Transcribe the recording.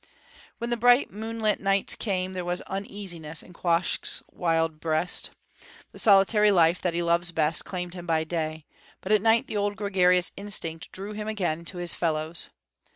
When the bright, moonlit nights came, there was uneasiness in Quoskh's wild breast. The solitary life that he loves best claimed him by day; but at night the old gregarious instinct drew him again to his fellows.